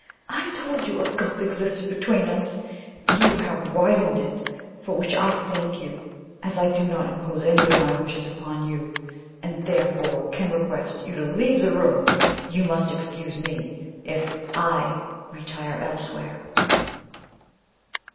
I told you a gulf existed between us you have widened it, for which I thank you! As I do not impose any of my wishes upon you, and therefore cannot request you to leave the room, you must excuse me if I retire elsewhere."